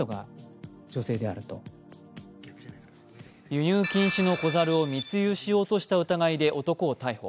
輸入禁止の子猿を密輸しようとした疑いで男を逮捕。